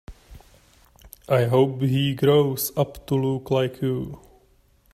I hope he grows up to look like you.